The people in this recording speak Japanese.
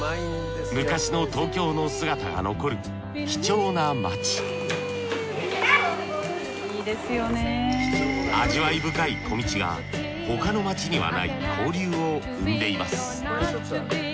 昔の東京の姿が残る貴重な街味わい深い小道が他の街にはない交流を生んでいます